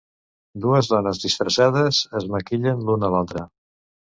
Dues dones disfressades es maquillen l'una a l'altra.